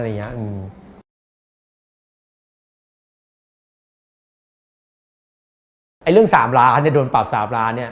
เรื่อง๓ล้านบาทโดนปรับ๓ล้านบาท